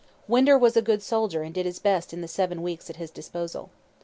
Winder was a good soldier and did his best in the seven weeks at his disposal.